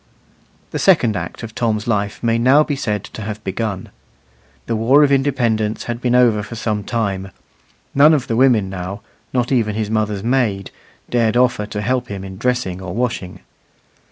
The second act of Tom's life may now be said to have begun. The war of independence had been over for some time: none of the women now not even his mother's maid dared offer to help him in dressing or washing.